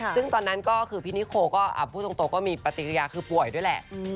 ซึ่งตอนนั้นก็คือพี่นิโคก็พูดตรงก็มีปฏิกิริยาคือป่วยด้วยแหละ